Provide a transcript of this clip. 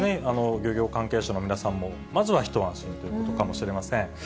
漁業関係者の皆さんも、まずは一安心ということかもしれません。